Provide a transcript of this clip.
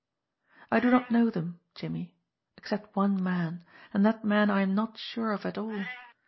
I do not know them, Jimmie except one man, and that man I am not sure of at all.